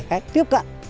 phải tiếp cận